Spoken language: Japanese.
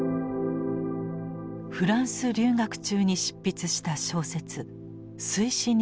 フランス留学中に執筆した小説「水死人の帰還」。